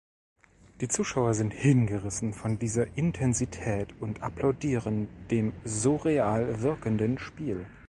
Die Zuschauer sind hingerissen von dieser Intensität und applaudieren dem so real wirkenden „Spiel“.